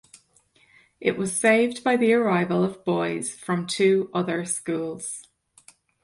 It was saved by the arrival of boys from two other schools.